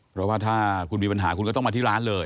เพราะว่าถ้าคุณมีปัญหาคุณก็ต้องมาที่ร้านเลย